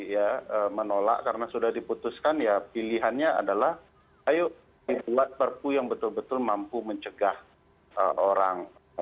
ya menolak karena sudah diputuskan ya pilihannya adalah ayo membuat perpu yang betul betul mampu mencegah orang